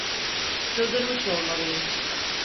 Çıldırmış olmalıyım.